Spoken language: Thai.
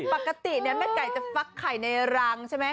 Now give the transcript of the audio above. ปกติแม่ไก่จะฟักไข่ในรังใช่ไหม